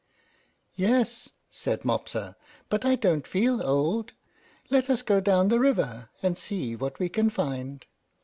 "Yes," said Mopsa; "but I don't feel old. Let us go down the river, and see what we can find."